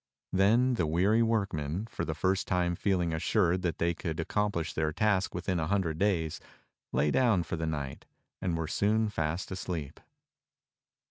Then the weary workmen, for the first time feeling assured that they could accomplish their task within the hundred days, lay down for the night and were soon fast asleep.